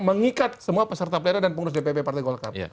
mengikat semua peserta pilkada dan pengurus dpp partai golkar